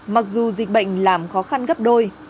mặc dù dịch bệnh làm khó khăn gấp đôi